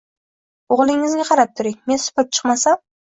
O`g`lingizga qarab turing, men supurib chiqmasam